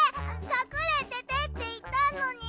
かくれててっていったのに。